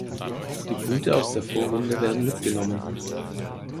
Die Punkte aus der Vorrunde werden mitgenommen.